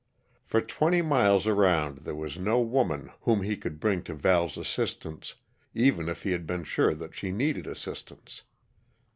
For twenty miles around there was no woman whom he could bring to Val's assistance, even if he had been sure that she needed assistance.